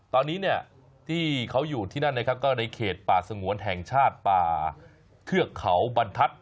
ตอนนี้เนี่ยที่เขาอยู่ที่นั่นนะครับก็ในเขตป่าสงวนแห่งชาติป่าเทือกเขาบรรทัศน